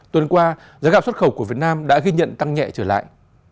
tuần qua giá gạo xuất khẩu của việt nam đã ghi nhận tăng nhẹ trở lại